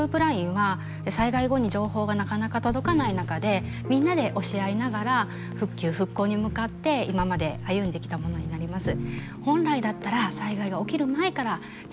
ＬＩＮＥは災害後に情報がなかなか届かない中でみんなで教え合いながら復旧・復興に向かって今まで歩んできたものになります。